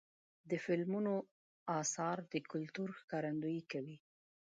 د فلمونو اثار د کلتور ښکارندویي کوي.